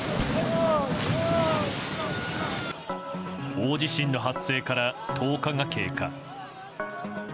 大地震の発生から１０日が経過。